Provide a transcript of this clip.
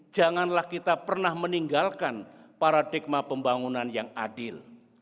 janganlah kita pernah meninggalkan paradigma pembangunan yang adil